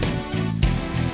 saya yang menang